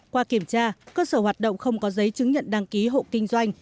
qua kiểm tra cơ sở hoạt động không có giấy chứng nhận đăng ký hộ kinh doanh